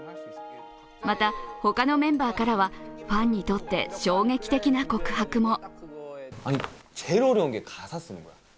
また、他のメンバーからは、ファンにとって衝撃的な告白も。